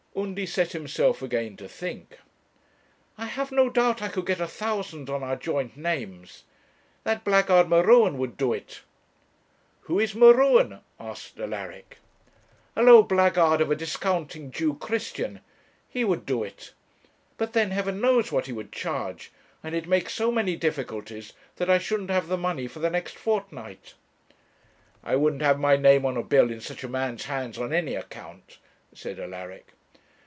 Undy set himself again to think. 'I have no doubt I could get a thousand on our joint names. That blackguard, M'Ruen, would do it.' 'Who is M'Ruen?' asked Alaric. 'A low blackguard of a discounting Jew Christian. He would do it; but then, heaven knows what he would charge, and he'd make so many difficulties that I shouldn't have the money for the next fortnight.' 'I wouldn't have my name on a bill in such a man's hands on any account,' said Alaric.